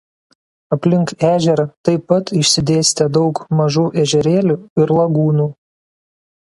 Aplink ežerą taip pat išsidėstę daug mažų ežerėlių ir lagūnų.